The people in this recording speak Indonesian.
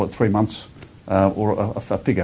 sebutnya tiga bulan atau sebuah figur